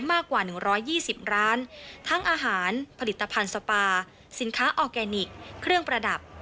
มากกว่า๑๒๐ร้านทั้งอาหารผลิตภัณฑ์สปาสินค้าออร์แกนิคเครื่องประดับ